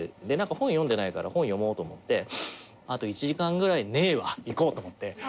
本読んでないから本読もうと思ってあと１時間ぐらいねえわ行こうと思って。